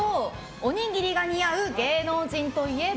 おにぎりが似合う芸能人といえば？